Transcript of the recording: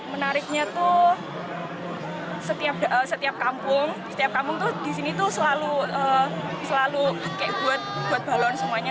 menariknya itu setiap kampung setiap kampung disini selalu buat balon semuanya